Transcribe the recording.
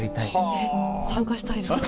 えっ参加したいです。